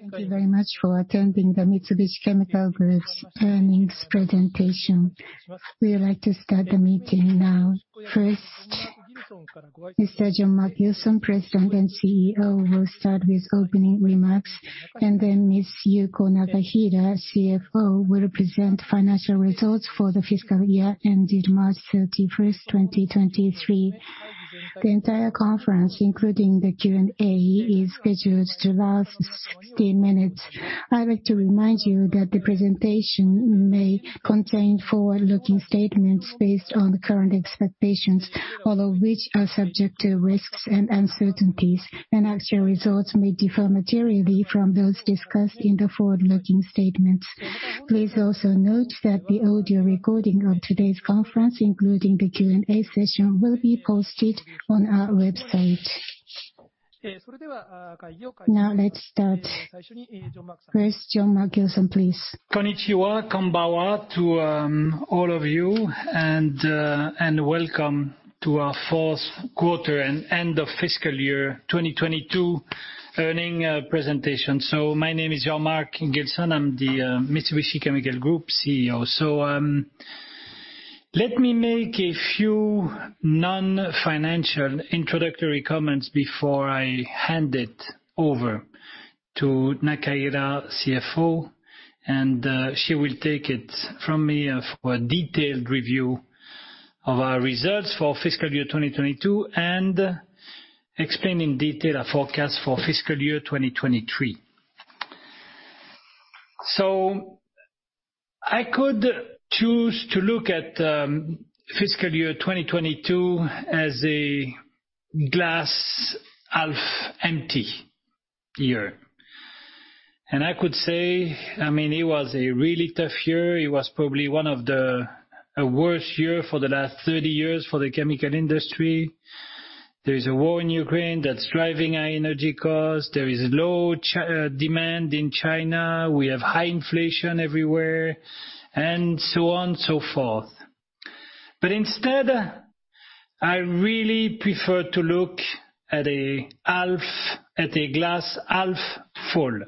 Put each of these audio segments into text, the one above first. Thank you very much for attending the Mitsubishi Chemical Group's earnings presentation. We would like to start the meeting now. First, Mr. Jean-Marc Gilson, President and CEO, will start with opening remarks. Then Ms. Yuko Nakahira, CFO, will present financial results for the fiscal year ended March 31, 2023. The entire conference, including the Q&A, is scheduled to last 60 minutes. I'd like to remind you that the presentation may contain forward-looking statements based on the current expectations, all of which are subject to risks and uncertainties. Actual results may differ materially from those discussed in the forward-looking statements. Please also note that the audio recording of today's conference, including the Q&A session, will be posted on our website. Let's start. First, Jean-Marc Gilson, please. Konnichiwa, konbanwa to all of you, and welcome to our fourth quarter and end of fiscal year 2022 earning presentation. My name is Jean-Marc Gilson. I'm the Mitsubishi Chemical Group CEO. Let me make a few non-financial introductory comments before I hand it over to Nakahira, CFO, and she will take it from me for a detailed review of our results for fiscal year 2022 and explain in detail our forecast for fiscal year 2023. I could choose to look at fiscal year 2022 as a glass half empty year. I could say, I mean, it was a really tough year. It was probably one of the worst year for the last 30 years for the chemical industry. There is a war in Ukraine that's driving high energy costs. There is low demand in China. We have high inflation everywhere and so on and so forth. Instead, I really prefer to look at a glass half full,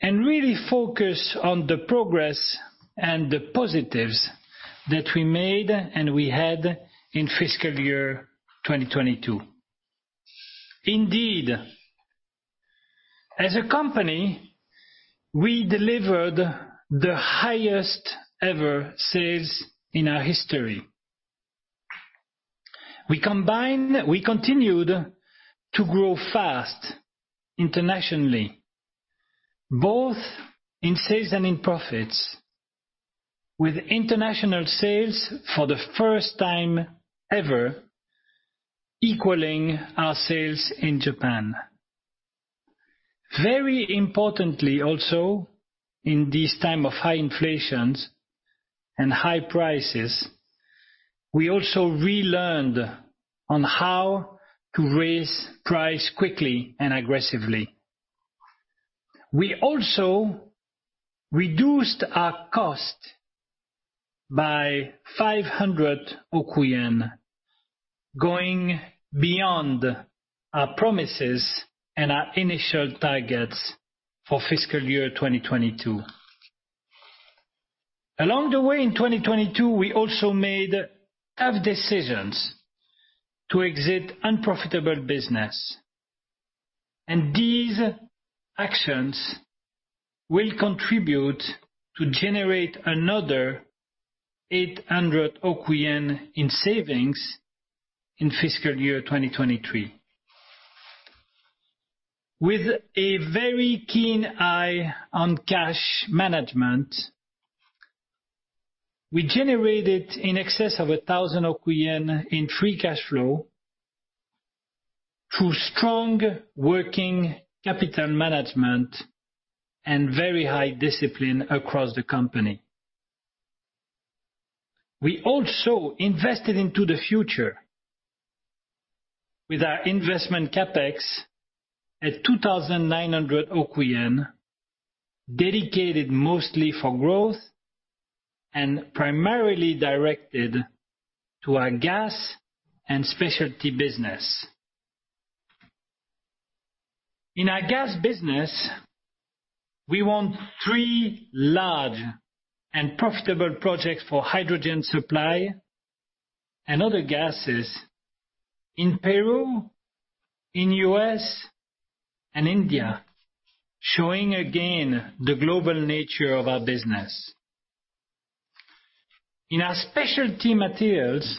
and really focus on the progress and the positives that we made and we had in fiscal year 2022. Indeed, as a company, we delivered the highest ever sales in our history. We continued to grow fast internationally, both in sales and in profits, with international sales for the first time ever equaling our sales in Japan. Very importantly, also, in this time of high inflations and high prices, we also relearned on how to raise price quickly and aggressively. We also reduced our cost by 500 okuen, going beyond our promises and our initial targets for fiscal year 2022. Along the way, in 2022, we also made tough decisions to exit unprofitable business. These actions will contribute to generate another 80 billion yen in savings in fiscal year 2023. With a very keen eye on cash management, we generated in excess of 100 billion yen in free cash flow through strong working capital management and very high discipline across the company. We also invested into the future with our investment CapEx at 290 billion, dedicated mostly for growth and primarily directed to our gas and specialty business. In our gas business, we won three large and profitable projects for hydrogen supply and other gases in Peru, in U.S., and India, showing again the global nature of our business. In our specialty materials,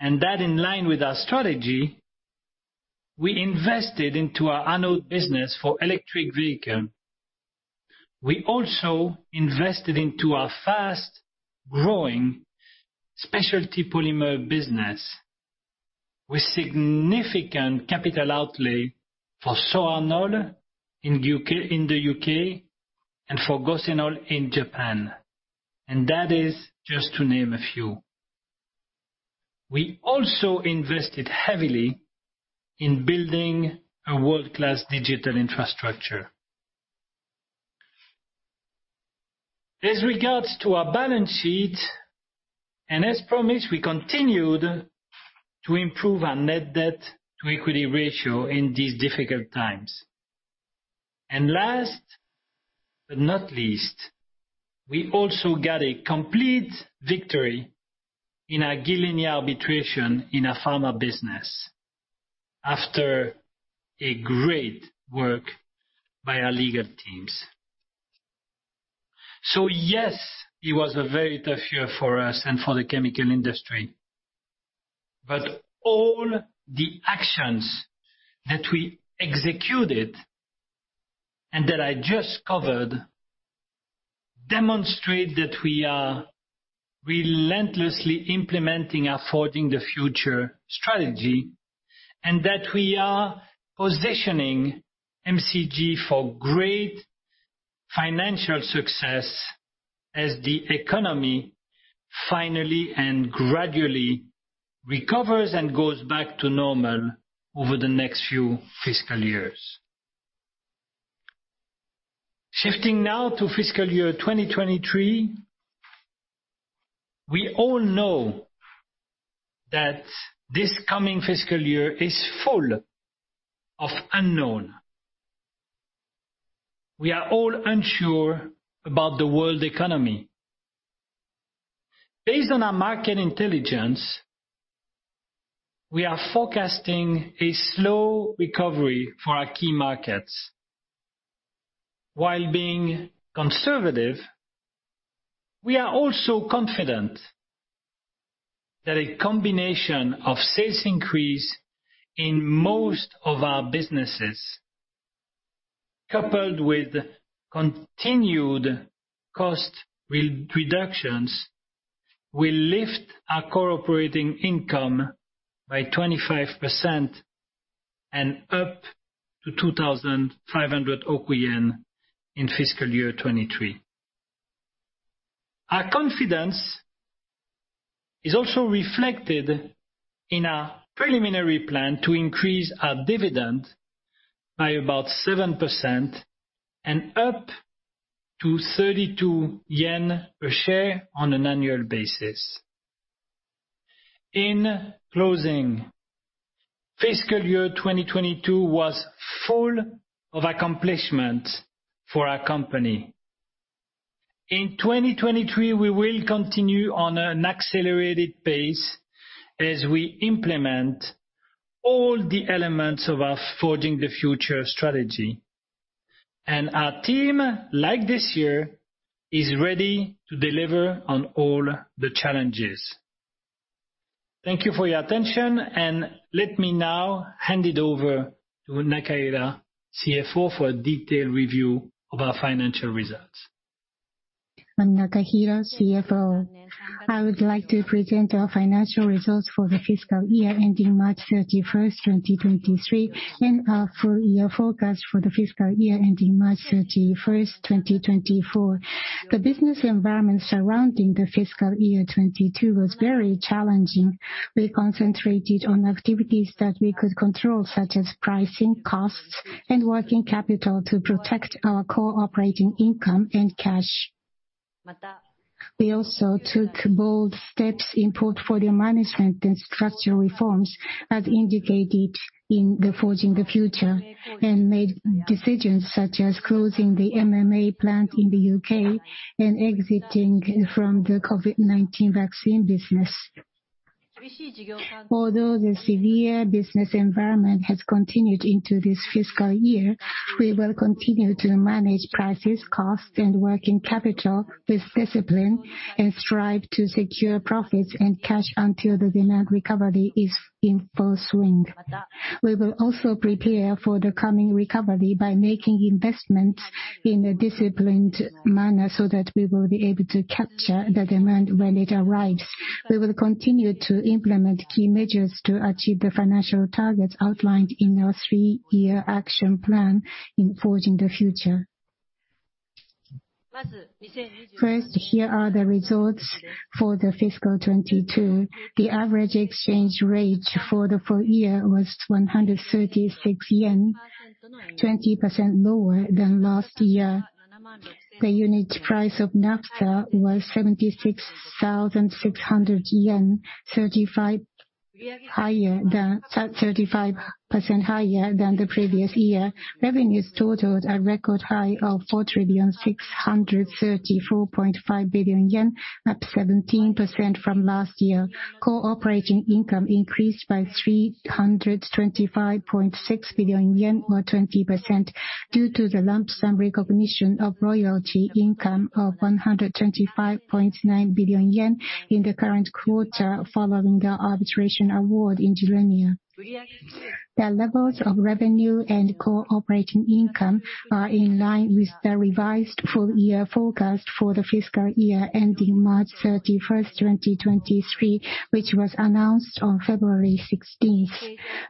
and that in line with our strategy, we invested into our anode business for electric vehicle. We also invested into our fast-growing specialty polymer business with significant capital outlay for SoarnoL in the U.K. and for Gohsenol in Japan. That is just to name a few. We also invested heavily in building a world-class digital infrastructure. As regards to our balance sheet, as promised, we continued to improve our net debt to equity ratio in these difficult times. Last but not least, we also got a complete victory in our Gilenya arbitration in our pharma business after a great work by our legal teams. Yes, it was a very tough year for us and for the chemical industry. All the actions that we executed and that I just covered demonstrate that we are relentlessly implementing our Forging the Future strategy, and that we are positioning MCG for great financial success as the economy finally and gradually recovers and goes back to normal over the next few fiscal years. Shifting now to fiscal year 2023, we all know that this coming fiscal year is full of unknown. We are all unsure about the world economy. Based on our market intelligence, we are forecasting a slow recovery for our key markets. While being conservative, we are also confident that a combination of sales increase in most of our businesses, coupled with continued cost re-reductions will lift our core operating income by 25% and up to 2,500 okuen in fiscal year 2023. Our confidence is also reflected in our preliminary plan to increase our dividend by about 7% and up to 32 yen per share on an annual basis. In closing, fiscal year 2022 was full of accomplishment for our company. In 2023, we will continue on an accelerated pace as we implement all the elements of our Forging the Future strategy. Our team, like this year, is ready to deliver on all the challenges. Thank you for your attention, and let me now hand it over to Nakahira, CFO, for a detailed review of our financial results. I'm Nakahira, CFO. I would like to present our financial results for the fiscal year ending March 31, 2023, and our full year forecast for the fiscal year ending March 31, 2024. The business environment surrounding the fiscal year 2022 was very challenging. We concentrated on activities that we could control, such as pricing, costs, and working capital to protect our core operating income and cash. We also took bold steps in portfolio management and structural reforms, as indicated in the Forging the Future, and made decisions such as closing the MMA plant in the U.K. and exiting from the COVID-19 vaccine business. Although the severe business environment has continued into this fiscal year, we will continue to manage prices, costs, and working capital with discipline and strive to secure profits and cash until the demand recovery is in full swing. We will also prepare for the coming recovery by making investments in a disciplined manner so that we will be able to capture the demand when it arrives. We will continue to implement key measures to achieve the financial targets outlined in our three-year action plan in Forging the Future. First, here are the results for the fiscal 2022. The average exchange rate for the full year was 136 yen, 20% lower than last year. The unit price of Naphtha was 76,600 yen, 35% higher than the previous year. Revenues totaled a record high of 4,634.5 billion yen, up 17% from last year. Core operating income increased by 325.6 billion yen, or 20%, due to the lump sum recognition of royalty income of 125.9 billion yen in the current quarter following our arbitration award in Gilenya. The levels of revenue and core operating income are in line with the revised full year forecast for the fiscal year ending March 31, 2023, which was announced on February 16.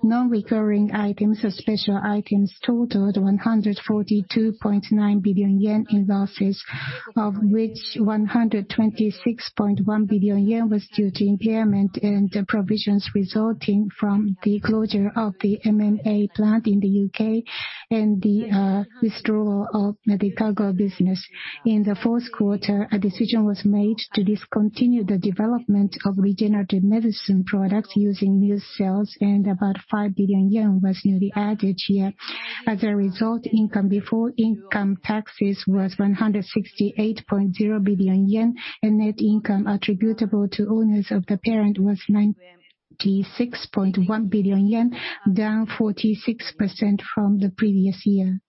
Non-recurring items or special items totaled 142.9 billion yen in losses, of which 126.1 billion yen was due to impairment and provisions resulting from the closure of the MMA plant in the U.K. and the withdrawal of medical business. In the fourth quarter, a decision was made to discontinue the development of regenerative medicine products using Muse cells, and about 5 billion yen was newly added here. As a result, income before income taxes was 168.0 billion yen, and net income attributable to owners of the parent was 96.1 billion yen, down 46% from the previous year.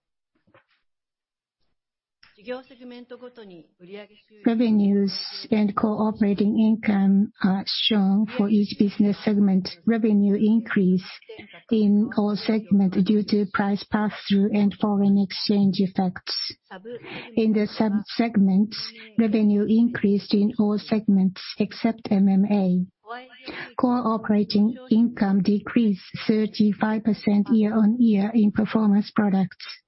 Revenues and core operating income are shown for each business segment. Revenue increased in all segments due to price pass-through and foreign exchange effects. In the sub-segments, revenue increased in all segments except MMA. Core operating income decreased 35% year-on-year in performance products.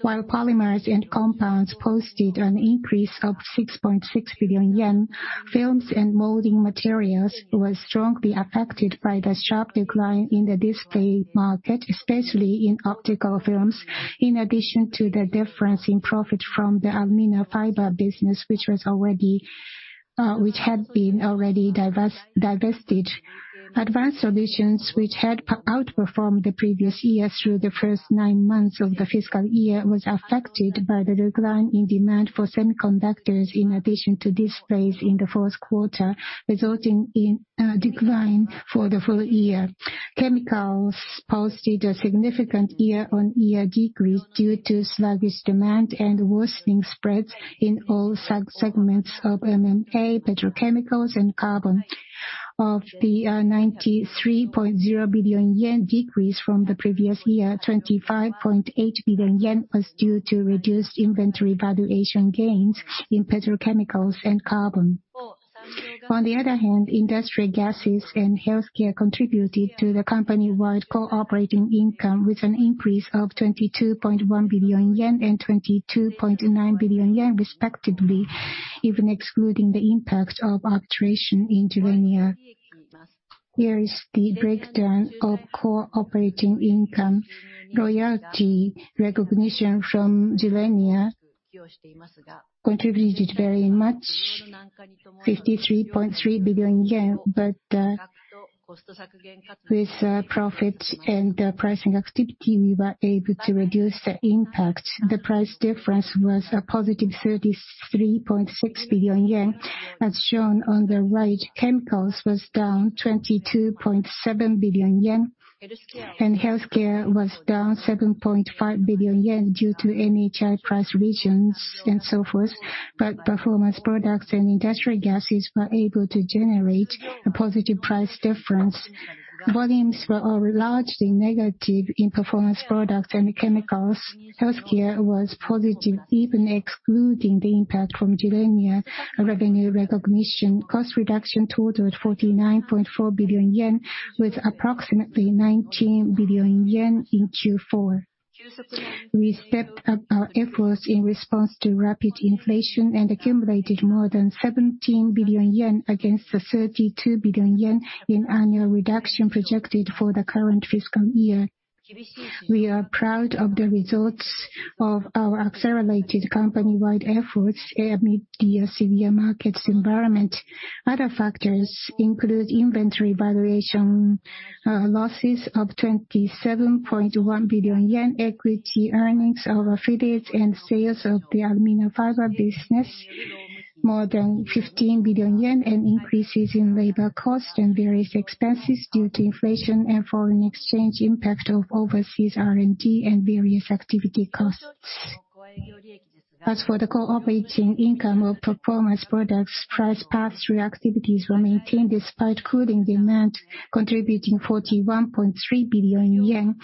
While polymers and compounds posted an increase of 6.6 billion yen, films and molding materials was strongly affected by the sharp decline in the display market, especially in optical films, in addition to the difference in profit from the alumina fiber business, which had been already divested. Advanced solutions, which had outperformed the previous years through the first nine months of the fiscal year, was affected by the decline in demand for semiconductors in addition to displays in the fourth quarter, resulting in a decline for the full year. Chemicals posted a significant year-on-year decrease due to sluggish demand and worsening spreads in all sub-segments of MMA, petrochemicals and carbon. Of the 93.0 billion yen decrease from the previous year, 25.8 billion yen was due to reduced inventory valuation gains in petrochemicals and carbon. On the other hand, industrial gases and healthcare contributed to the company-wide core operating income with an increase of 22.1 billion yen and 22.9 billion yen respectively, even excluding the impact of arbitration in Gilenya. Here is the breakdown of core operating income. Royalty recognition from Gilenya contributed very much, 53.3 billion yen. With profit and pricing activity, we were able to reduce the impact. The price difference was a positive 33.6 billion yen, as shown on the right. Chemicals was down 22.7 billion yen, and healthcare was down 7.5 billion yen due to NHI price reductions and so forth. Performance products and industrial gases were able to generate a positive price difference. Volumes were all largely negative in performance products and chemicals. Healthcare was positive even excluding the impact from Gilenya revenue recognition. Cost reduction totaled 49.4 billion yen, with approximately 19 billion yen in Q4. We stepped up our efforts in response to rapid inflation and accumulated more than 17 billion yen against the 32 billion yen in annual reduction projected for the current fiscal year. We are proud of the results of our accelerated company-wide efforts amid the severe markets environment. Other factors include inventory valuation losses of 27.1 billion yen, equity earnings of affiliates and sales of the alumina fiber business, more than 15 billion yen, and increases in labor costs and various expenses due to inflation and foreign exchange impact of overseas R&D and various activity costs. As for the core operating income of performance products, price pass-through activities were maintained despite cooling demand, contributing 41.3 billion yen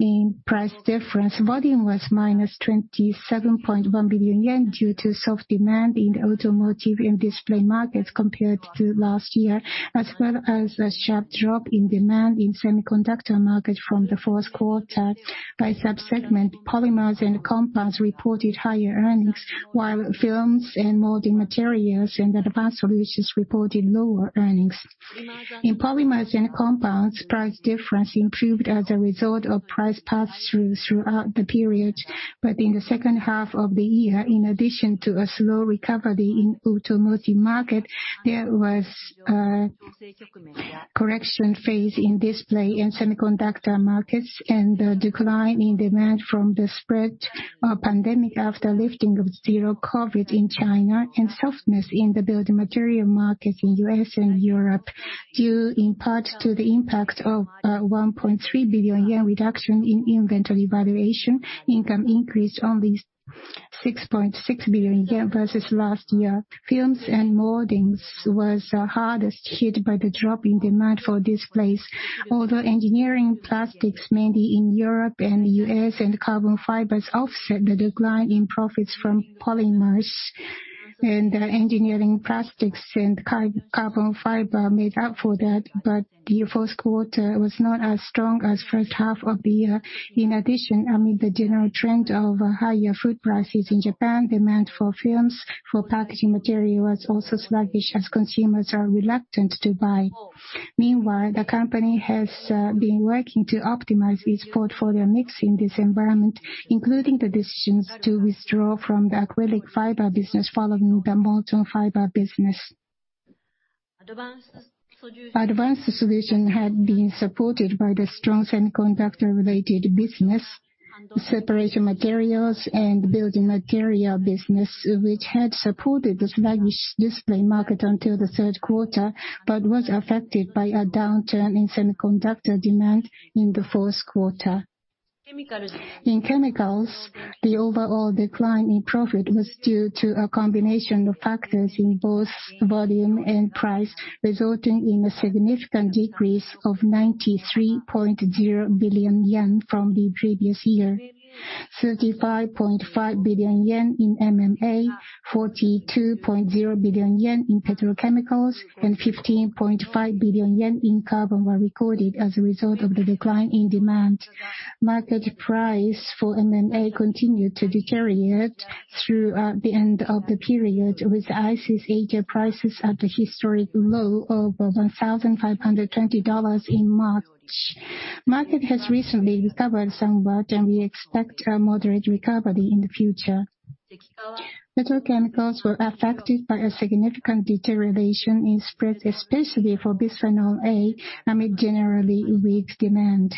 in price difference. Volume was -27.1 billion yen due to soft demand in the automotive and display markets compared to last year, as well as a sharp drop in demand in semiconductor market from the 4th quarter. By sub-segment, polymers and compounds reported higher earnings, while films and molding materials and advanced solutions reported lower earnings. In polymers and compounds, price difference improved as a result of price pass-through throughout the period. In the 2nd half of the year, in addition to a slow recovery in automotive market, there was a correction phase in display and semiconductor markets and a decline in demand from the spread of pandemic after lifting of zero COVID in China and softness in the building material market in U.S. and Europe, due in part to the impact of 1.3 billion yen reduction in inventory valuation. Income increased only 6.6 billion yen versus last year. Films and moldings was hardest hit by the drop in demand for displays. Although engineering plastics, mainly in Europe and the U.S., and carbon fibers offset the decline in profits from polymers. Engineering plastics and carbon fiber made up for that, but the fourth quarter was not as strong as first half of the year. In addition, amid the general trend of higher food prices in Japan, demand for films, for packaging material was also sluggish as consumers are reluctant to buy. Meanwhile, the company has been working to optimize its portfolio mix in this environment, including the decisions to withdraw from the acrylic fiber business following the melded fiber business. Advanced Solutions had been supported by the strong semiconductor-related business, separation materials and building material business, which had supported the sluggish display market until the third quarter, but was affected by a downturn in semiconductor demand in the fourth quarter. In Chemicals, the overall decline in profit was due to a combination of factors in both volume and price, resulting in a significant decrease of 93.0 billion yen from the previous year. 35.5 billion yen in MMA, 42.0 billion yen in petrochemicals, and 15.5 billion yen in carbon were recorded as a result of the decline in demand. Market price for MMA continued to deteriorate throughout the end of the period with ICIS Asia prices at a historic low of $1,520 in March. Market has recently recovered somewhat. We expect a moderate recovery in the future. Petrochemicals were affected by a significant deterioration in spread, especially for bisphenol A, amid generally weak demand.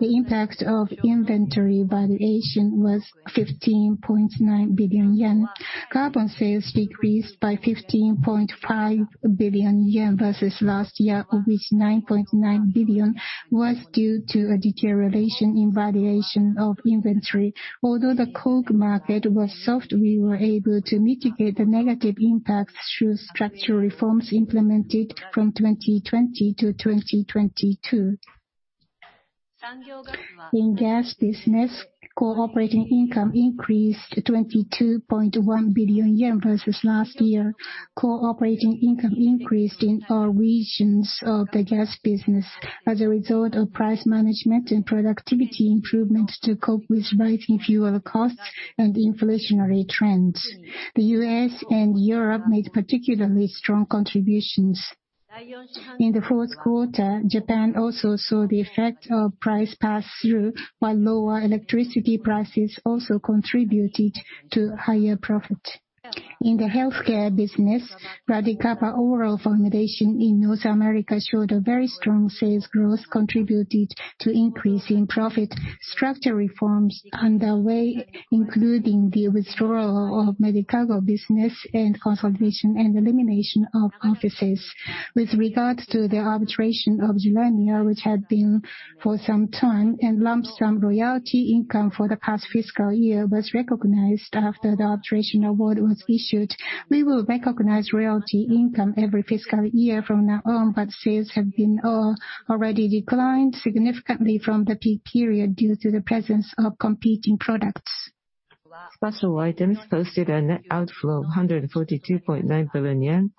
The impact of inventory valuation was 15.9 billion yen. Carbon sales decreased by 15.5 billion yen versus last year, of which 9.9 billion was due to a deterioration in valuation of inventory. Although the coke market was soft, we were able to mitigate the negative impacts through structural reforms implemented from 2020 to 2022. In Gas business, core operating income increased to 22.1 billion yen versus last year. Core operating income increased in all regions of the Gas business as a result of price management and productivity improvements to cope with rising fuel costs and inflationary trends. The US and Europe made particularly strong contributions. In the fourth quarter, Japan also saw the effect of price pass-through, while lower electricity prices also contributed to higher profit. In the Healthcare business, RADICAVA oral formulation in North America showed a very strong sales growth contributed to increase in profit. Structural reforms underway, including the withdrawal of Medicago business and consolidation and elimination of offices. With regards to the arbitration of Gilenya, which had been for some time, and lump sum royalty income for the past fiscal year was recognized after the arbitration award was issued. We will recognize royalty income every fiscal year from now on, but sales have been already declined significantly from the peak period due to the presence of competing products. Special items posted a net outflow of 142.9 billion yen,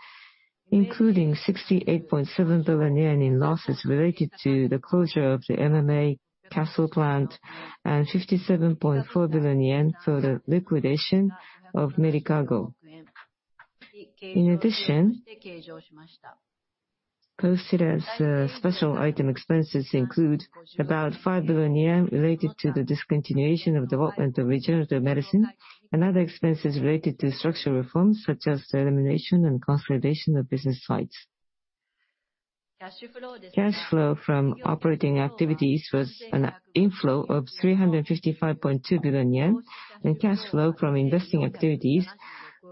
including 68.7 billion yen in losses related to the closure of the MMA Cassel plant and 57.4 billion yen for the liquidation of Medicago. In addition, posted as special item expenses include about 5 billion yen related to the discontinuation of development of regenerative medicine and other expenses related to structural reforms such as the elimination and consolidation of business sites. Cash flow from operating activities was an inflow of 355.2 billion yen, and cash flow from investing activities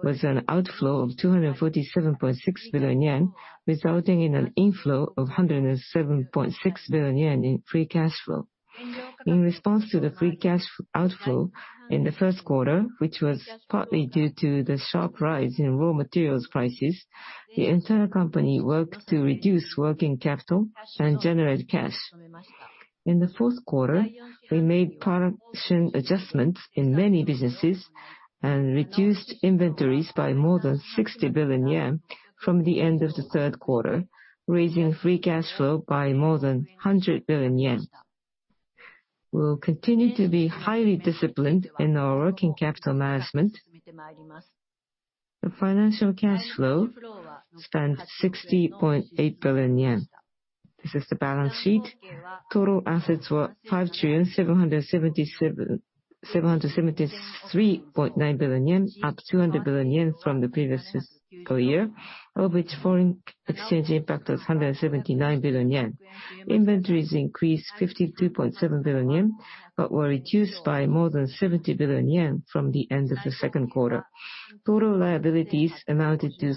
was an outflow of 247.6 billion yen, resulting in an inflow of 107.6 billion yen in free cash flow. In response to the free cash outflow in the first quarter, which was partly due to the sharp rise in raw materials prices, the entire company worked to reduce working capital and generate cash. In the fourth quarter, we made production adjustments in many businesses and reduced inventories by more than 60 billion yen from the end of the third quarter, raising free cash flow by more than 100 billion yen. We'll continue to be highly disciplined in our working capital management. The financial cash flow spent 60.8 billion yen. This is the balance sheet. Total assets were 5,773.9 billion yen, up 200 billion yen from the previous fiscal year, of which foreign exchange impact was 179 billion yen. Inventories increased 52.7 billion yen but were reduced by more than 70 billion yen from the end of the 2Q. Total liabilities amounted to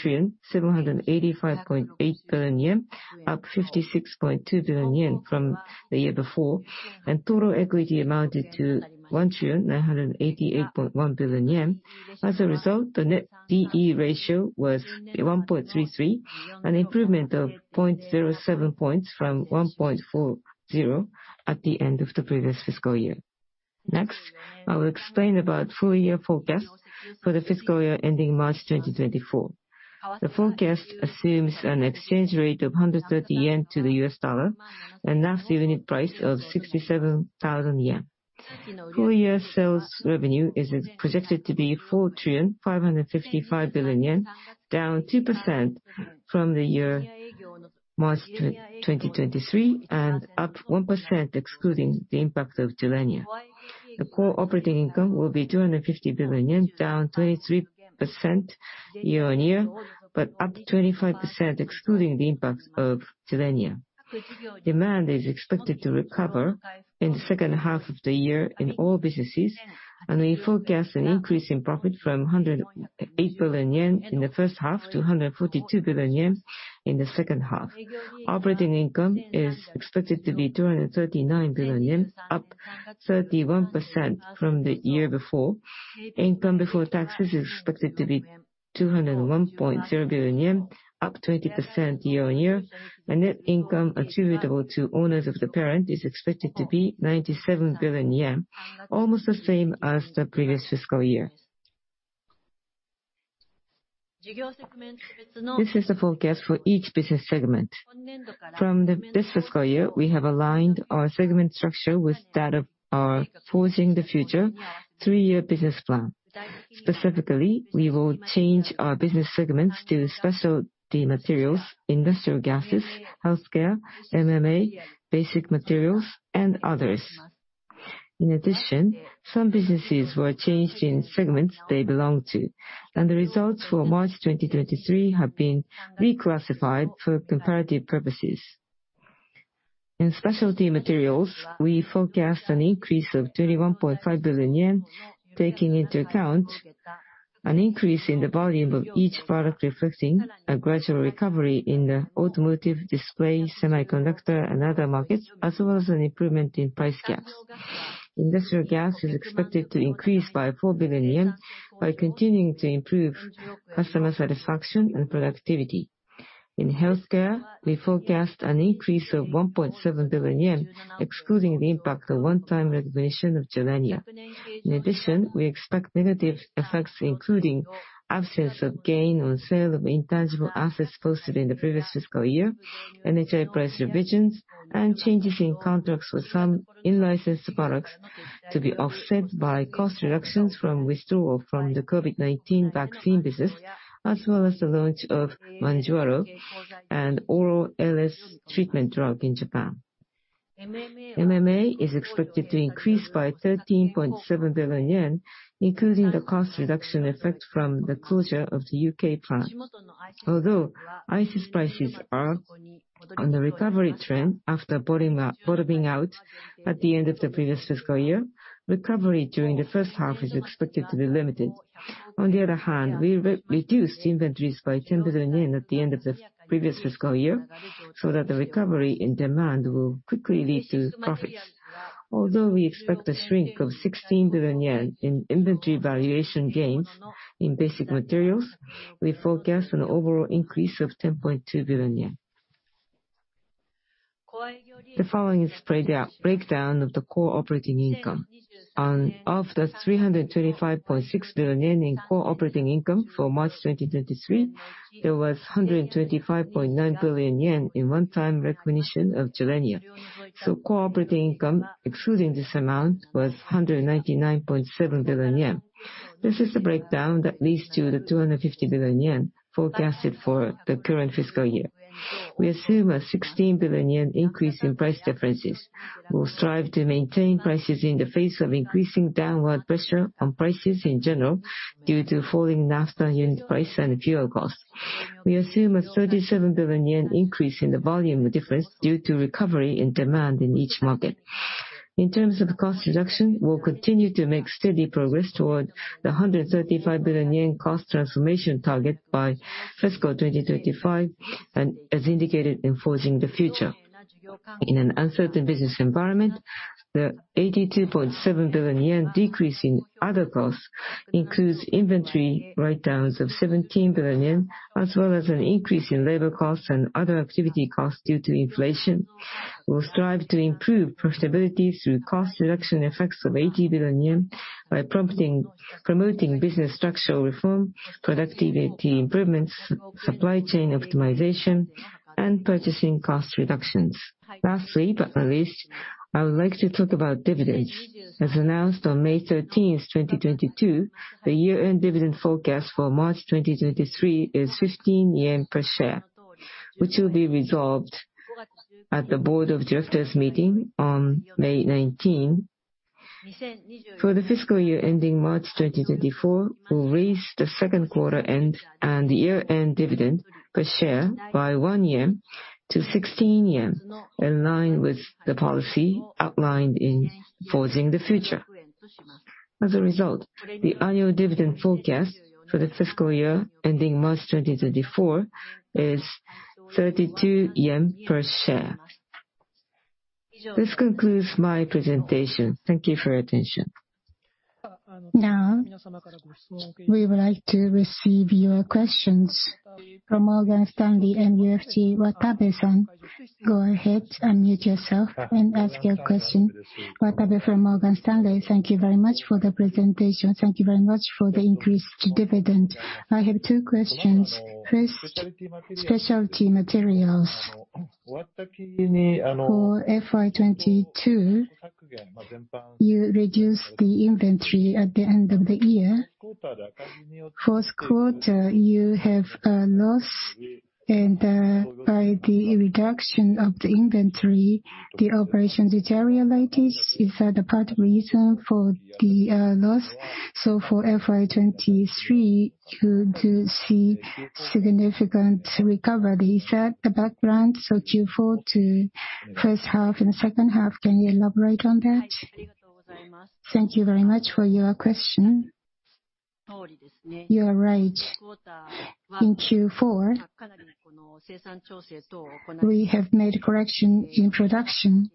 3,785.8 billion yen, up 56.2 billion yen from the year before, and total equity amounted to 1,988.1 billion yen. As a result, the net D/E ratio was 1.33, an improvement of 0.07 points from 1.40 at the end of the previous fiscal year. Next, I will explain about full year forecast for the fiscal year ending March 2024. The forecast assumes an exchange rate of 130 yen to the US dollar and Naphtha unit price of 67,000 yen. Full year sales revenue is projected to be 4,555 billion yen, down 2% from the year March 2023 and up 1% excluding the impact of Gilenya. The core operating income will be 250 billion yen, down 23% year-on-year, but up 25% excluding the impact of Gilenya. Demand is expected to recover in the second half of the year in all businesses, we forecast an increase in profit from 108 billion yen in the first half to 142 billion yen in the second half. Operating income is expected to be 239 billion yen, up 31% from the year before. Income before taxes is expected to be 201.0 billion yen, up 20% year-on-year. Net income attributable to owners of the parent is expected to be 97 billion yen, almost the same as the previous fiscal year. This is the forecast for each business segment. From this fiscal year, we have aligned our segment structure with that of our Forging the Future three-year business plan. Specifically, we will change our business segments to specialty materials, industrial gases, healthcare, MMA, basic materials, and others. In addition, some businesses were changed in segments they belong to, and the results for March 2023 have been reclassified for comparative purposes. In specialty materials, we forecast an increase of 31.5 billion yen, taking into account an increase in the volume of each product reflecting a gradual recovery in the automotive display, semiconductor, and other markets, as well as an improvement in price gaps. Industrial gas is expected to increase by 4 billion yen by continuing to improve customer satisfaction and productivity. In healthcare, we forecast an increase of 1.7 billion yen, excluding the impact of one-time recognition of Gilenya. In addition, we expect negative effects including absence of gain on sale of intangible assets posted in the previous fiscal year, NHI price revisions, and changes in contracts with some in-licensed products to be offset by cost reductions from withdrawal from the COVID-19 vaccine business, as well as the launch of Mounjaro and oral ALS treatment drug in Japan. MMA is expected to increase by 13.7 billion yen, including the cost reduction effect from the closure of the U.K. plant. Although ICIS prices are on the recovery trend after bottom, bottoming out at the end of the previous fiscal year, recovery during the first half is expected to be limited. On the other hand, we re-reduced inventories by 10 billion yen at the end of the previous fiscal year so that the recovery and demand will quickly lead to profits. Although we expect a shrink of 16 billion yen in inventory valuation gains in basic materials, we forecast an overall increase of 10.2 billion yen. The following is breakdown of the core operating income. Of the 325.6 billion yen in core operating income for March 2023, there was 125.9 billion yen in one-time recognition of Gilenya. Core operating income, excluding this amount, was 199.7 billion yen. This is the breakdown that leads to the 250 billion yen forecasted for the current fiscal year. We assume a 16 billion yen increase in price differences. We'll strive to maintain prices in the face of increasing downward pressure on prices in general due to falling Naphtha unit price and fuel costs. We assume a 37 billion yen increase in the volume difference due to recovery and demand in each market. In terms of cost reduction, we'll continue to make steady progress toward the 135 billion yen cost transformation target by fiscal 2025 and as indicated in Forging the Future. In an uncertain business environment, the 82.7 billion yen decrease in other costs includes inventory write-downs of 17 billion yen, as well as an increase in labor costs and other activity costs due to inflation. We'll strive to improve profitability through cost reduction effects of 80 billion yen by promoting business structural reform, productivity improvements, supply chain optimization, and purchasing cost reductions. Lastly, but not least, I would like to talk about dividends. As announced on May 13th, 2022, the year-end dividend forecast for March 2023 is 15 yen per share, which will be resolved at the board of directors meeting on May 19. For the fiscal year ending March 2024, we'll raise the 2nd quarter end and year-end dividend per share by 1-16 yen in line with the policy outlined in Forging the Future. As a result, the annual dividend forecast for the fiscal year ending March 2024 is 32 yen per share. This concludes my presentation. Thank you for your attention. Now we would like to receive your questions. From Morgan Stanley, MUFG, Watabe-san. Go ahead, unmute yourself and ask your question. Watabe from Morgan Stanley. Thank you very much for the presentation. Thank you very much for the increased dividend. I have two questions. First, specialty materials. For FY22, you reduced the inventory at the end of the year. Fourth quarter, you have a loss and by the reduction of the inventory, the operations deteriorated. Is that a part of reason for the loss? For FY23, you do see significant recovery. Is that the background for Q4 to first half and second half? Can you elaborate on that? Thank you very much for your question. You are right. In Q4, we have made a correction in production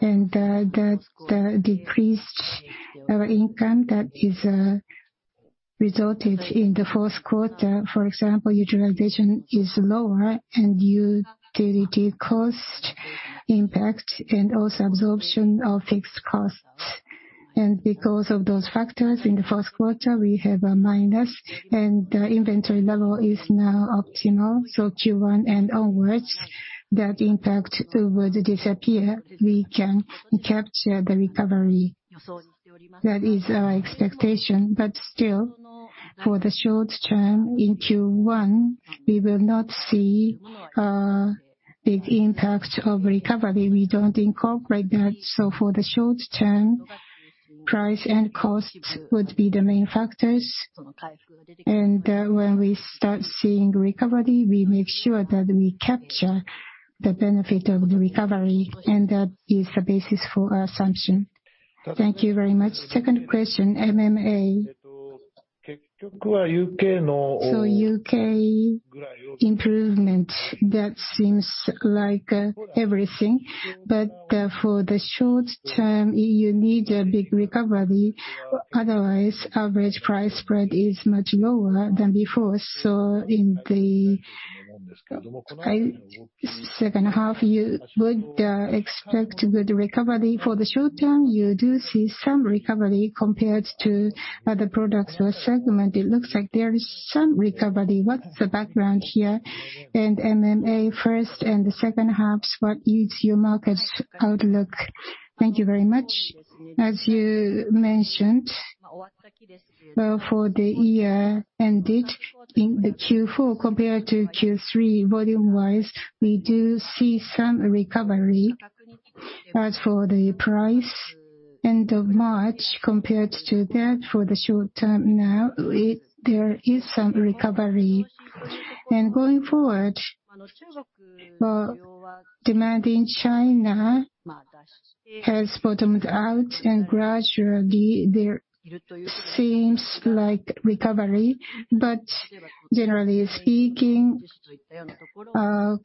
and that decreased our income that is resulted in the fourth quarter. For example, utilization is lower, utility cost impact, and also absorption of fixed costs. Because of those factors, in the 1st quarter we have a minus, and the inventory level is now optimal. Q1 and onwards, that impact would disappear. We can capture the recovery. That is our expectation. Still, for the short term, in Q1, we will not see the impact of recovery. We don't incorporate that. For the short term, price and costs would be the main factors. When we start seeing recovery, we make sure that we capture the benefit of the recovery, and that is the basis for our assumption. Thank you very much. 2nd question, MMA. U.K. improvement, that seems like everything, but for the short term, you need a big recovery, otherwise average price spread is much lower than before. Second half, you would expect good recovery. For the short term, you do see some recovery compared to other products or segment. It looks like there is some recovery. What's the background here? MMA first and the second half, what is your market's outlook? Thank you very much. As you mentioned, for the year ended in the Q4 compared to Q3, volume-wise, we do see some recovery. As for the price, end of March compared to that for the short term now, there is some recovery. Going forward, demand in China has bottomed out and gradually there seems like recovery. Generally speaking,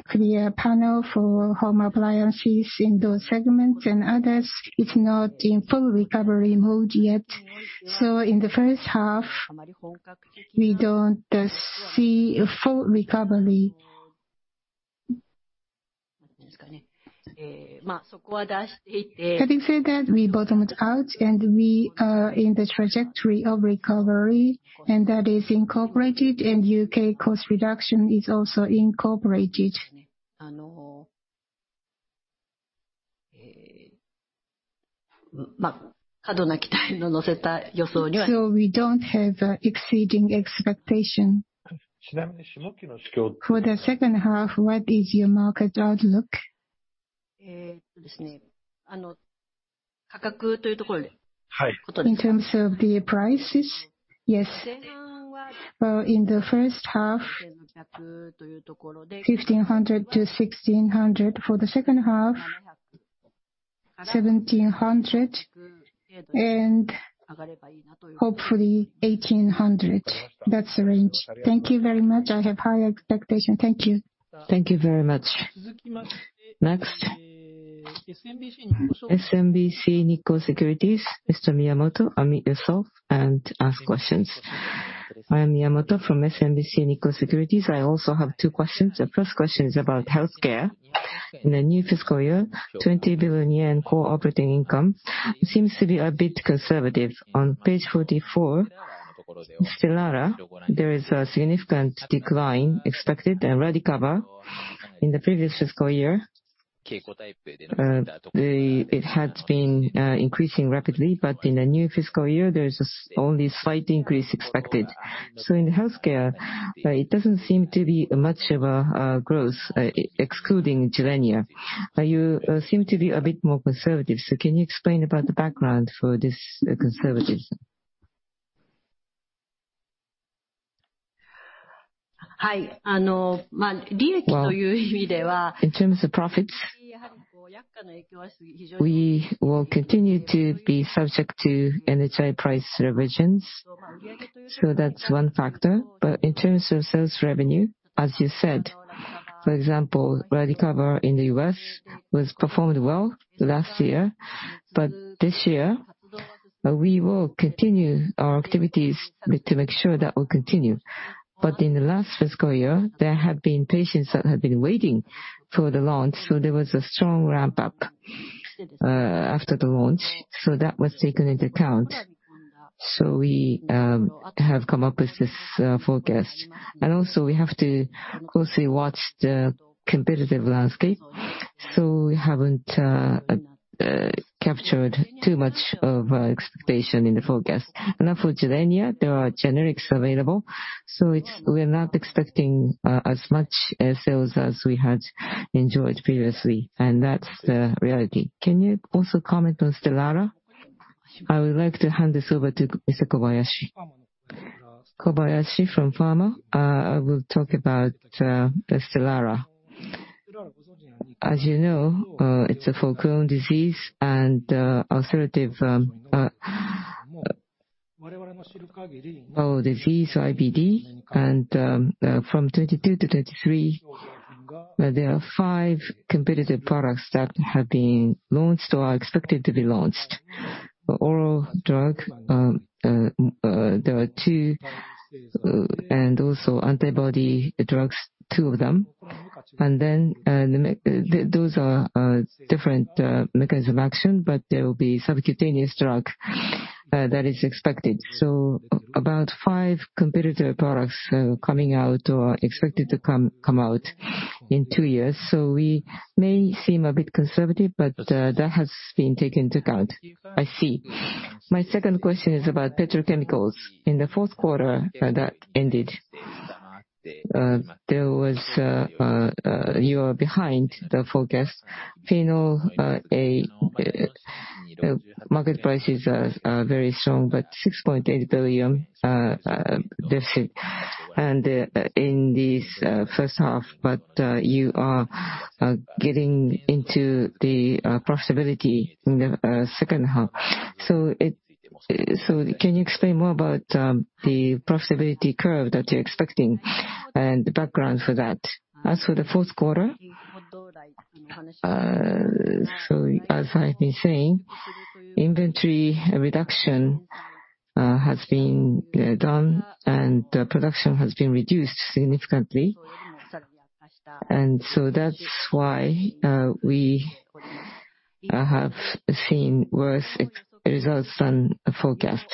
clear panel for home appliances in those segments and others is not in full recovery mode yet. In the first half, we don't see a full recovery. Having said that, we bottomed out and we are in the trajectory of recovery, and that is incorporated, and U.K. cost reduction is also incorporated. We don't have exceeding expectation. For the second half, what is your market outlook? In terms of the prices? Yes. In the first half, 1,500 JPY-1,600. For the second half, 1,700 and hopefully 1,800. That's the range. Thank you very much. I have high expectation. Thank you. Thank you very much. Next. SMBC Nikko Securities, Mr. Miyamoto, unmute yourself and ask questions. I am Miyamoto from SMBC Nikko Securities. I also have two questions. The first question is about healthcare. In the new fiscal year, 20 billion yen core operating income seems to be a bit conservative. On page 44, Stelara, there is a significant decline expected and RADICAVA in the previous fiscal year. It had been increasing rapidly, but in the new fiscal year there is only slight increase expected. In healthcare, it doesn't seem to be much of a growth excluding Gilenya. You seem to be a bit more conservative. Can you explain about the background for this conservatism? Well, in terms of profits, we will continue to be subject to NHI price revisions. That's one factor. In terms of sales revenue, as you said, for example, RADICAVA in the U.S. was performed well last year. This year, we will continue our activities to make sure that will continue. In the last fiscal year, there have been patients that have been waiting for the launch, so there was a strong ramp up after the launch. That was taken into account. We have come up with this forecast. We have to closely watch the competitive landscape, so we haven't captured too much of expectation in the forecast. For Jardiance, there are generics available, so it's... we're not expecting as much sales as we had enjoyed previously, and that's the reality. Can you also comment on Stelara? I would like to hand this over to Mr. Kobayashi. Kobayashi from pharma. I will talk about the Stelara. As you know, it's for Crohn's disease and ulcerative colon disease, IBD. From 2022-2023, there are five competitive products that have been launched or are expected to be launched. Oral drug, there are two, and also antibody drugs, two of them. Those are different mechanism action, but there will be subcutaneous drug that is expected. About five competitive products are coming out or are expected to come out in two years. We may seem a bit conservative, but that has been taken into account. I see. My second question is about petrochemicals. In the fourth quarter that ended, there was, you are behind the forecast. Phenol market prices are very strong, but 6.8 billion deficit. In this first half, but you are getting into the profitability in the second half. Can you explain more about the profitability curve that you're expecting and the background for that? As for the fourth quarter, as I've been saying, inventory reduction has been done and production has been reduced significantly. That's why we have seen worse results than forecast.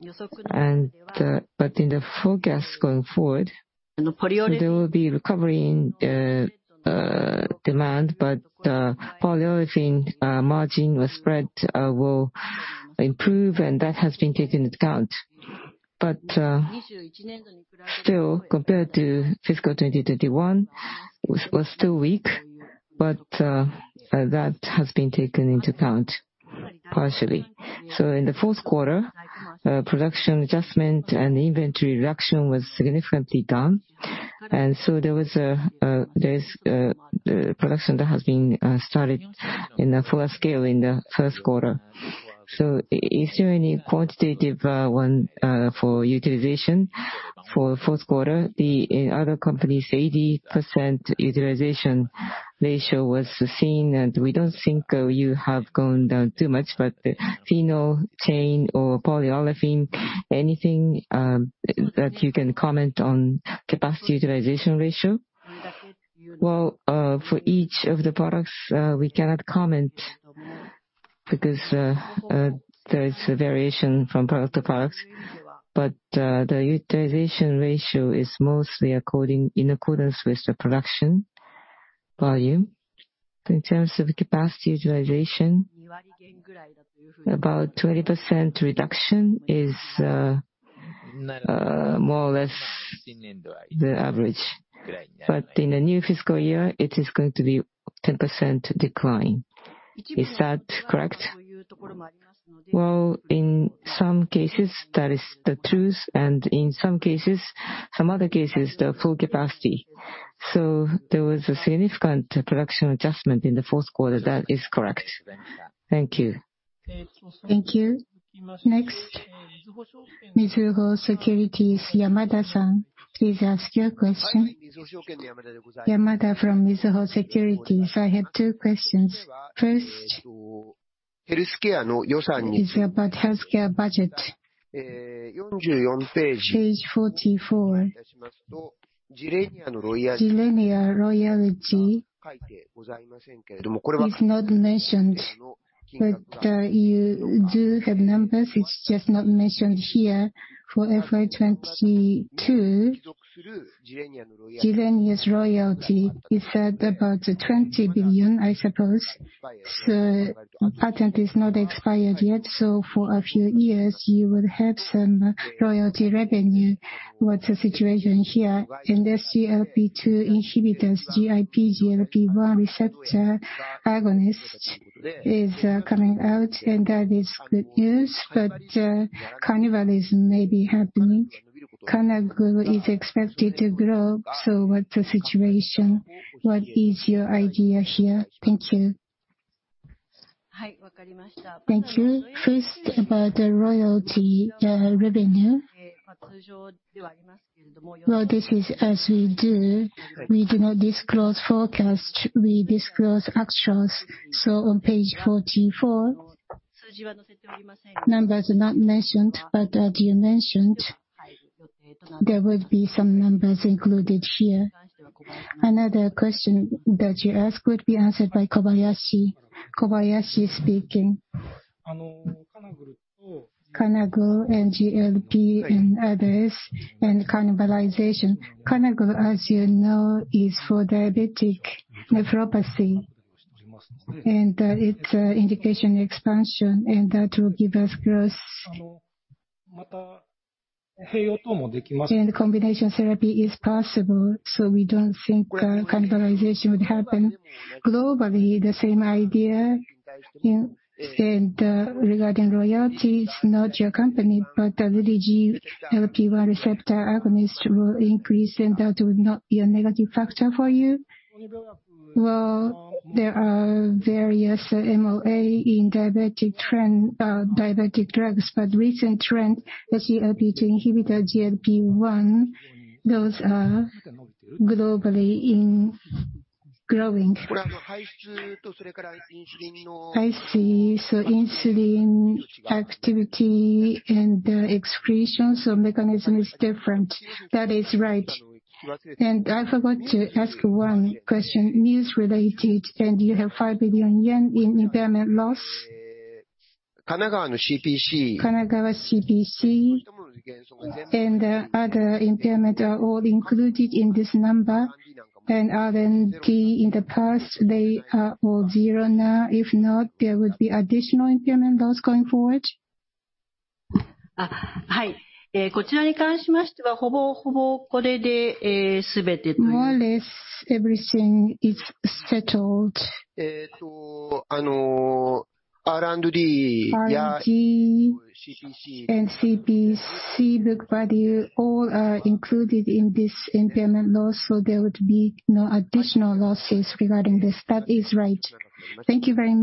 In the forecast going forward, there will be recovery in the demand, but the polyolefin margin or spread will improve and that has been taken into account. Still, compared to fiscal 2021, was still weak, but that has been taken into account partially. In the fourth quarter, production adjustment and inventory reduction was significantly done. There was a there's production that has been started in the full scale in the first quarter. Is there any quantitative one for utilization for fourth quarter? The other companies, 80% utilization ratio was seen and we don't think you have gone down too much. Phenol chain or polyolefin, anything that you can comment on capacity utilization ratio? Well, for each of the products, we cannot comment because there is a variation from product to product. The utilization ratio is mostly according, in accordance with the production volume. In terms of capacity utilization, about 20% reduction is more or less the average. In the new fiscal year, it is going to be 10% decline. Is that correct? Well, in some cases that is the truth, and in some cases, some other cases, the full capacity. There was a significant production adjustment in the fourth quarter. That is correct. Thank you. Thank you. Next, Mizuho Securities, Yamada-san, please ask your question. Yamada from Mizuho Securities. I have two questions. First is about healthcare budget. Page 44. Jardiance royalty is not mentioned, but you do have numbers. It's just not mentioned here. For FY 2022, Jardiance's royalty is at about 20 billion, I suppose. The patent is not expired yet, so for a few years you will have some royalty revenue. What's the situation here? The GLP-2 inhibitors, GIP, GLP-1 receptor agonist is coming out and that is good news. Cannibalism may be happening. canagliflozin is expected to grow. What's the situation? What is your idea here? Thank you. Thank you. First, about the royalty revenue. Well, this is as we do, we do not disclose forecast, we disclose actuals. On page 44, numbers are not mentioned, but as you mentioned, there will be some numbers included here. Another question that you asked would be answered by Kobayashi. Kobayashi speaking. canagliflozin, NGLP and others, and cannibalization. Canagliflozin, as you know, is for diabetic nephropathy. It's indication expansion, and that will give us growth. Combination therapy is possible, so we don't think cannibalization would happen. Globally, the same idea, you said regarding royalties, not your company, but the GIP/GLP-1 receptor agonist will increase and that would not be a negative factor for you. There are various MOA in diabetic trend, diabetic drugs. Recent trend, the GLP-2 inhibitor, GLP-1, those are globally in growing. I see. Insulin activity and excretion, so mechanism is different. That is right. I forgot to ask one question, news related, you have 5 billion yen in impairment loss. Kanagawa CPC and other impairment are all included in this number. R&D in the past, they are all zero now. If not, there would be additional impairment loss going forward. More or less, everything is settled. R&D and CPC book value all are included in this impairment loss. There would be no additional losses regarding this. That is right. Thank you very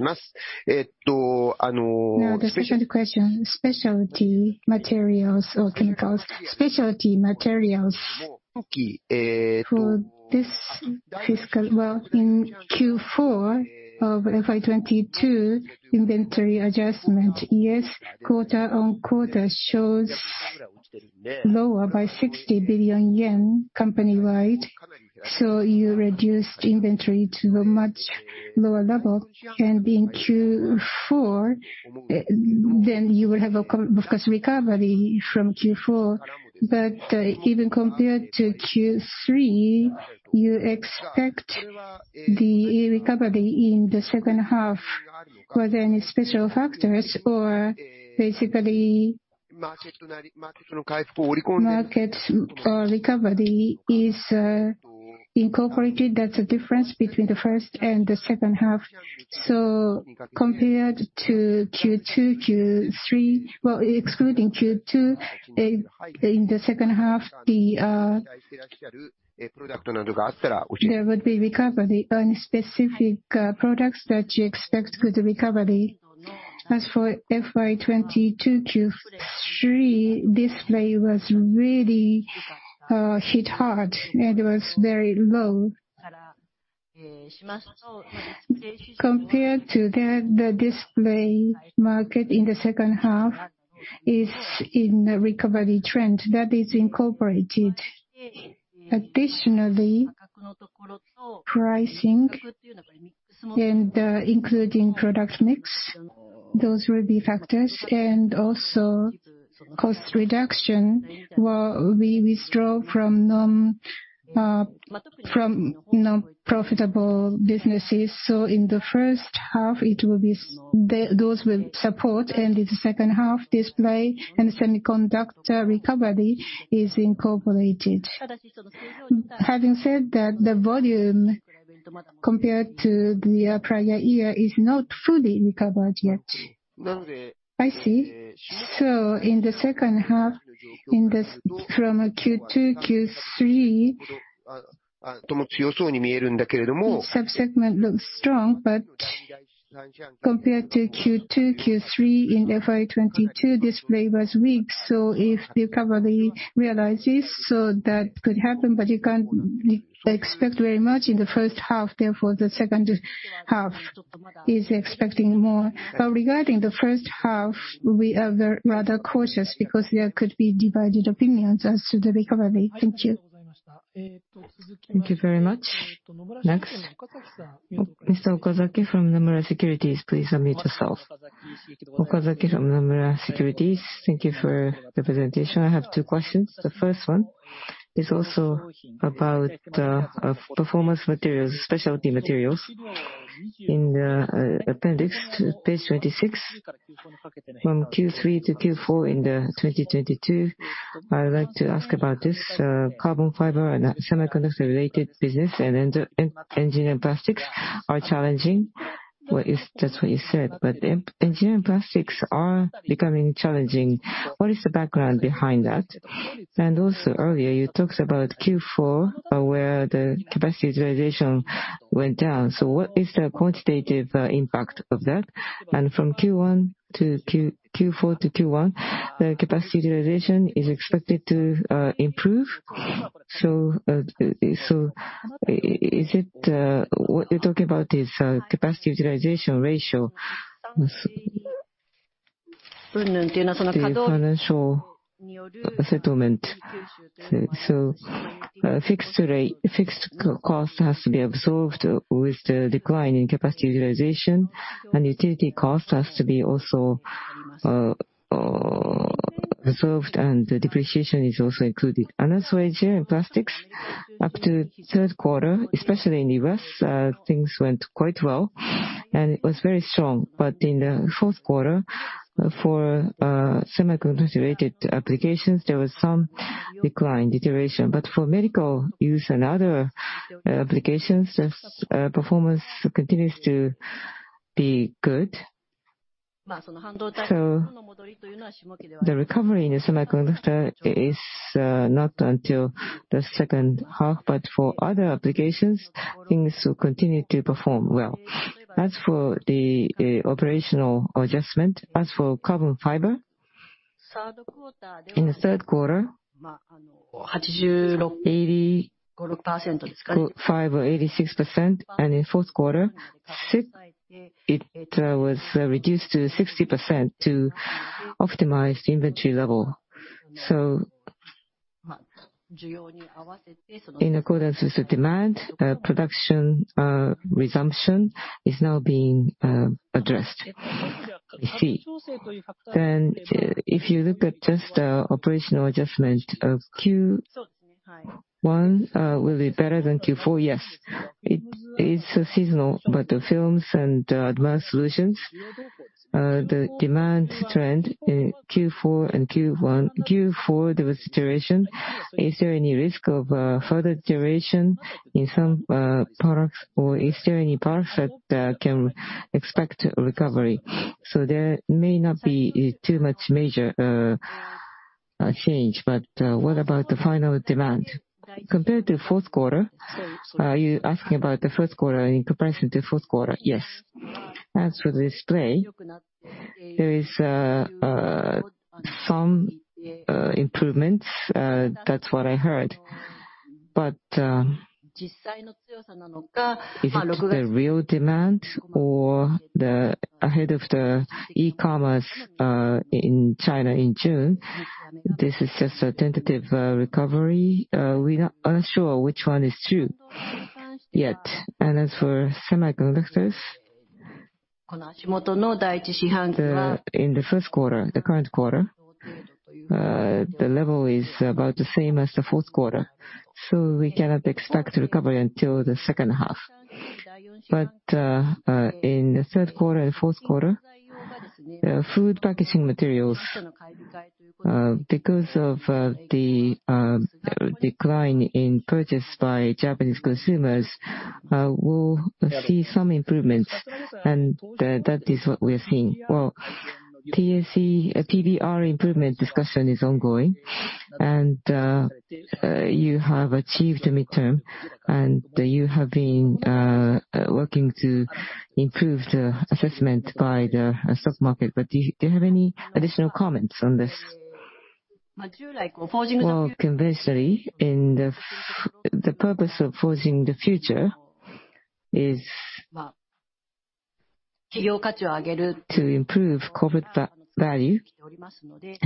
much. The second question, specialty materials or chemicals. Specialty materials. Well, in Q4 of FY 2022 inventory adjustment, yes, quarter-on-quarter shows lower by 60 billion yen company-wide. You reduced inventory to a much lower level. In Q4, then you will have, of course, recovery from Q4. Even compared to Q3, you expect the recovery in the second half. Were there any special factors or basically markets or recovery is incorporated? That's the difference between the first and the second half. Compared to Q2, Q3, well, excluding Q2, in the second half, there would be recovery on specific products that you expect good recovery. As for FY 2022 Q3, display was really hit hard and was very low. Compared to that, the display market in the second half is in a recovery trend. That is incorporated. Additionally, pricing and including product mix, those will be factors. Also cost reduction, well, we withdraw from non-profitable businesses. In the first half, those will support. In the second half, display and semiconductor recovery is incorporated. Having said that, the volume compared to the prior year is not fully recovered yet. I see. In the second half, from Q2, Q3, each subsegment looks strong. Compared to Q2, Q3 in FY 2022, display was weak. If the recovery realizes, so that could happen, but you can't expect very much in the first half. The second half is expecting more. Regarding the first half, we are rather cautious because there could be divided opinions as to the recovery. Thank you. Thank you very much. Next, Mr. Okazaki from Nomura Securities, please unmute yourself. Okazaki from Nomura Securities. Thank you for the presentation. I have two questions. The first one is also about performance materials, specialty materials. In the appendix to page 26, from Q3 to Q4 in 2022, I would like to ask about this carbon fiber and semiconductor-related business and engine and plastics are challenging. Well, it's just what you said, but engineering plastics are becoming challenging. What is the background behind that? Earlier, you talked about Q4, where the capacity utilization went down. What is the quantitative impact of that? From Q4 to Q1, the capacity utilization is expected to improve. What you're talking about is capacity utilization ratio. The financial settlement. Fixed rate, fixed cost has to be absorbed with the decline in capacity utilization, and utility cost has to be also absorbed, and the depreciation is also included. Also engineering plastics, up to third quarter, especially in U.S., things went quite well, and it was very strong. In the fourth quarter for semiconductor related applications, there was some decline, deterioration. For medical use and other applications, yes, performance continues to be good. The recovery in the semiconductor is not until the second half, but for other applications, things will continue to perform well. As for the operational adjustment, as for carbon fiber, in the third quarter, 85% or 86%, and in fourth quarter, it was reduced to 60% to optimize the inventory level. In accordance with the demand, production resumption is now being addressed. I see. If you look at just the operational adjustment of Q1, will be better than Q4, yes. It is seasonal, but the films and advanced solutions, the demand trend in Q4 and Q1. Q4, there was deterioration. Is there any risk of further deterioration in some products, or is there any products that can expect recovery? There may not be too much major change, but what about the final demand? Compared to fourth quarter, are you asking about the first quarter in comparison to fourth quarter? Yes. As for display, there is some improvements. That's what I heard. But, is it the real demand or the... Ahead of the e-commerce in China in June, this is just a tentative recovery. We are unsure which one is true yet. As for semiconductors, in the 1st quarter, the current quarter, the level is about the same as the 4th quarter, so we cannot expect recovery until the 2nd half. In the 3rd quarter and 4th quarter, food packaging materials, because of the decline in purchase by Japanese consumers, will see some improvements, and that is what we are seeing. Well, TSE, PBR improvement discussion is ongoing. You have achieved midterm, and you have been working to improve the assessment by the stock market. Do you have any additional comments on this? Well, conversely, The purpose of Forging the future is to improve corporate value.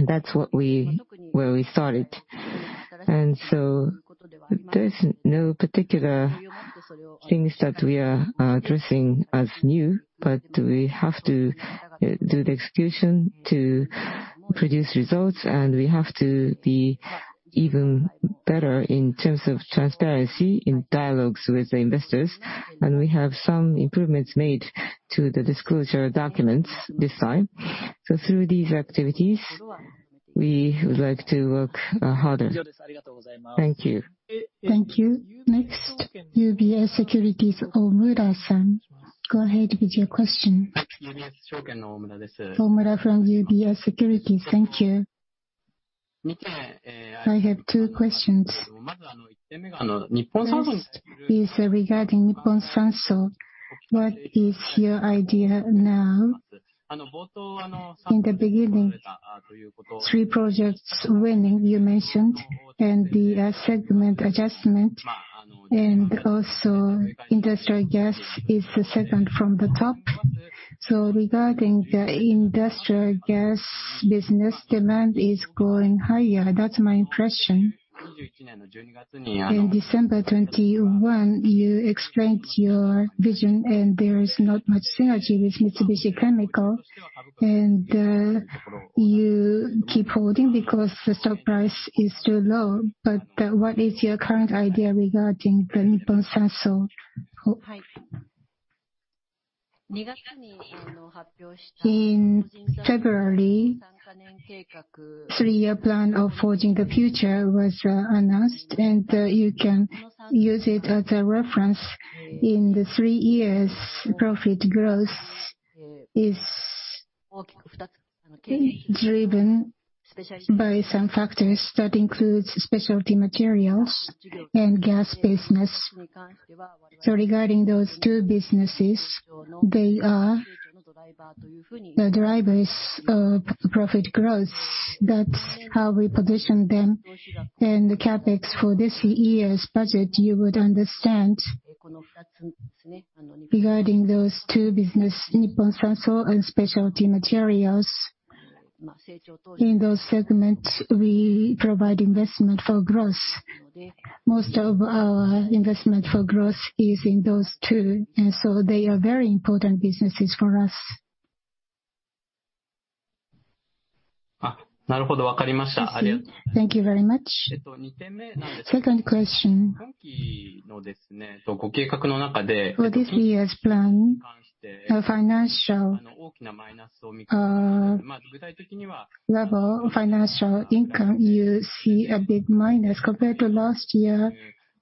That's what we, where we started. There's no particular things that we are addressing as new, but we have to do the execution to produce results, and we have to be even better in terms of transparency in dialogues with the investors. We have some improvements made to the disclosure documents this time. Through these activities, we would like to work harder. Thank you. Thank you. Next, UBS Securities, Omura-san. Go ahead with your question. Omura from UBS Securities. Thank you. I have two questions. First is regarding Nippon Sanso. What is your idea now? In the beginning, three projects winning you mentioned, and the segment adjustment, and also industrial gas is the second from the top. Regarding the industrial gas business, demand is growing higher. That's my impression. In December 2021, you explained your vision, there is not much synergy with Mitsubishi Chemical. You keep holding because the stock price is too low. What is your current idea regarding the Nippon Sanso? In February Three-year plan of Forging the Future was announced, and you can use it as a reference. In the three years, profit growth is driven by some factors. That includes specialty materials and gas business. Regarding those two businesses, they are the drivers of profit growth. That's how we position them. The CapEx for this year's budget, you would understand regarding those two business, Nippon Sanso Holdings and Specialty Materials. In those segments, we provide investment for growth. Most of our investment for growth is in those two, and so they are very important businesses for us. Thank you very much. Second question. For this year's plan, our financial level, financial income, you see a big minus compared to last year.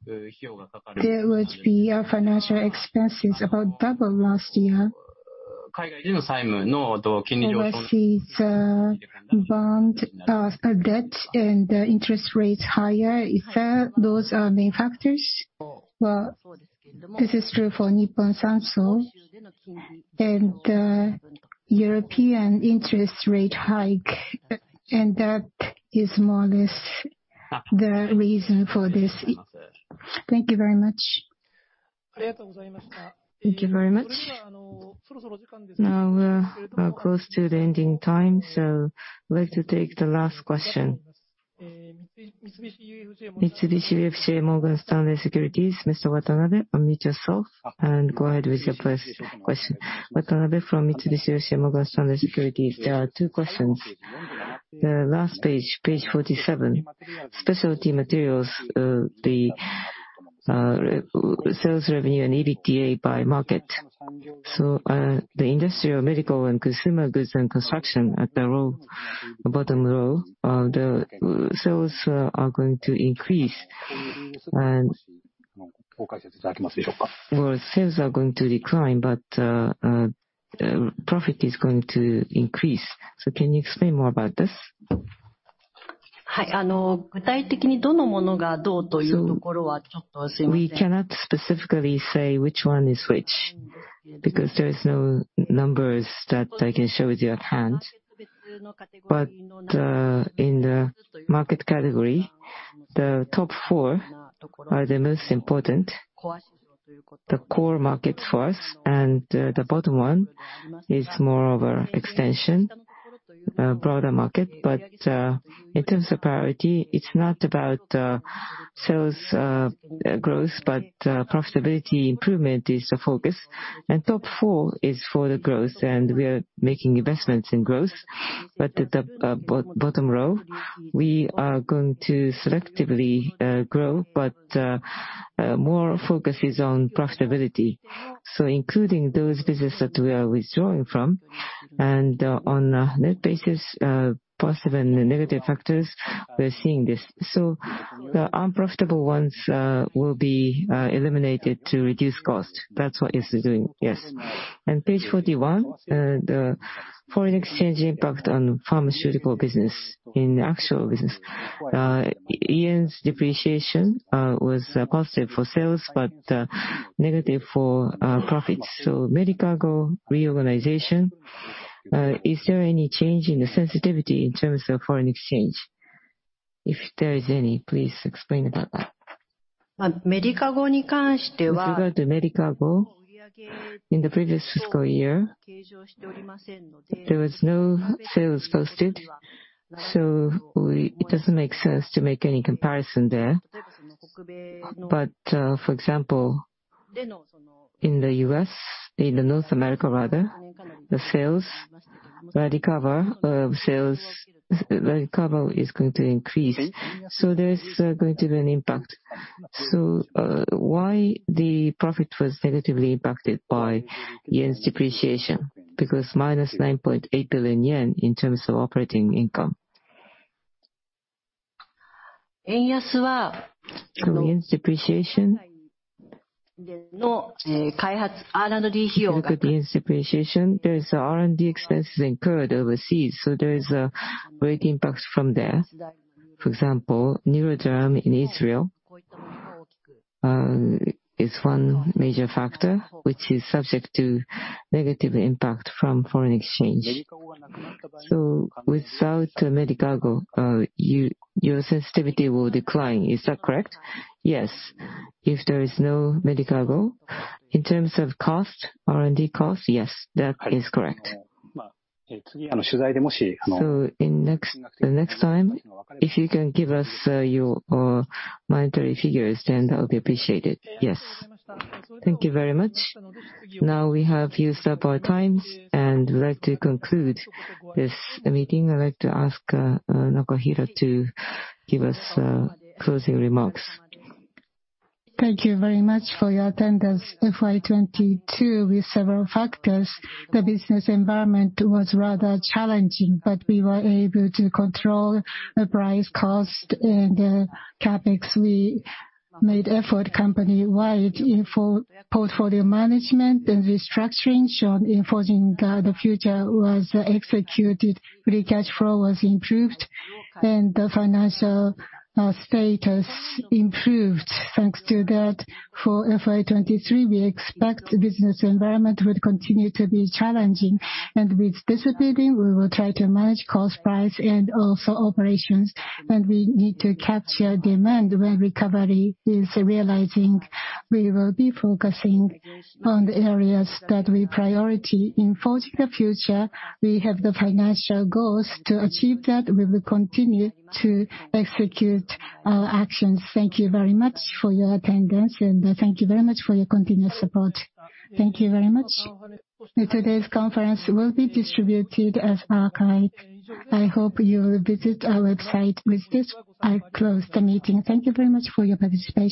There would be financial expenses about double last year. Unless it's, bond, sorry, debt and interest rates higher, is that those are main factors? Well, this is true for Nippon Sanso and European interest rate hike. That is more or less the reason for this. Thank you very much. Thank you very much. Now we're close to the ending time, so we'd like to take the last question. Mitsubishi UFJ Morgan Stanley Securities, Mr. Watanabe, unmute yourself and go ahead with your first question. Watanabe from Mitsubishi UFJ Morgan Stanley Securities. There are two questions. The last page 47, specialty materials, the sales revenue and EBITDA by market. The industrial, medical, and consumer goods and construction at the row, bottom row, the sales are going to increase. Well, sales are going to decline, but profit is going to increase. Can you explain more about this? We cannot specifically say which one is which because there is no numbers that I can show you at hand. In the market category, the top four are the most important. The core market for us and the bottom one is more of a extension, a broader market. In terms of priority, it's not about sales growth, but profitability improvement is the focus. Top four is for the growth, and we are making investments in growth. At the bottom row, we are going to selectively grow, but more focus is on profitability. Including those business that we are withdrawing from, and on a net basis, positive and the negative factors, we're seeing this. The unprofitable ones will be eliminated to reduce cost. That's what this is doing. Yes. Page 41, the foreign exchange impact on pharmaceutical business. In the actual business, yen's depreciation was positive for sales but negative for profits. Medicago reorganization, is there any change in the sensitivity in termsof foreign exchange? If there is any, please explain about that. With regard to Medicago, in the previous fiscal year, there was no sales posted, so it doesn't make sense to make any comparison there. For example, in the U.S., in North America rather, the sales recover is going to increase. There is going to be an impact. Why the profit was negatively impacted by yen's depreciation? Because minus 9.8 billion yen in terms of operating income. Yen's depreciation. If you look at the yen's depreciation, there's R&D expenses incurred overseas. There is a great impact from there. For example, NeuroDerm in Israel, is one major factor which is subject to negative impact from foreign exchange. Without Medicago, your sensitivity will decline. Is that correct? Yes. If there is no Medicago, in terms of cost, R&D cost, yes, that is correct. The next time, if you can give us your monetary figures, that would be appreciated. Yes. Thank you very much. Now we have used up our times and we'd like to conclude this meeting. I'd like to ask Nakahira to give us closing remarks. Thank you very much for your attendance. FY 22 with several factors, the business environment was rather challenging. We were able to control the price, cost, and CapEx. We made effort company-wide in full portfolio management and restructuring shown in Forging the Future was executed. Free cash flow was improved and the financial status improved. Thanks to that, for FY 23, we expect the business environment will continue to be challenging. With this ability, we will try to manage cost price and also operations, and we need to capture demand when recovery is realizing. We will be focusing on the areas that we priority. In Forging the Future, we have the financial goals. To achieve that, we will continue to execute our actions. Thank you very much for your attendance, and thank you very much for your continued support. Thank you very much. Today's conference will be distributed as archived. I hope you visit our website. With this, I close the meeting. Thank you very much for your participation.